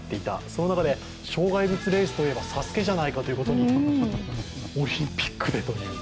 その中で、障害物レースといえば「ＳＡＳＵＫＥ」じゃないかということにオリンピックでという。